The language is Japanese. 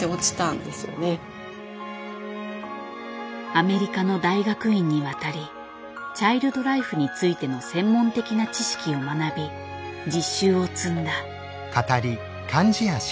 アメリカの大学院に渡りチャイルド・ライフについての専門的な知識を学び実習を積んだ。